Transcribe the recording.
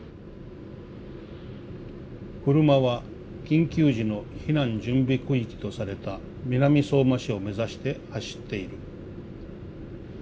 「車は緊急時の避難準備区域とされた南相馬市をめざして走っている。